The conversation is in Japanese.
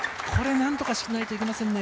何とかしないといけないですね。